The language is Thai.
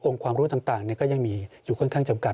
ความรู้ต่างก็ยังมีอยู่ค่อนข้างจำกัด